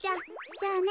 じゃあね。